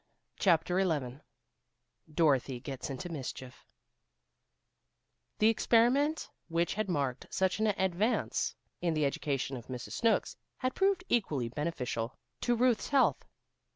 CHAPTER XI DOROTHY GETS INTO MISCHIEF The experiment which had marked such an advance in the education of Mrs. Snooks had proved equally beneficial to Ruth's health.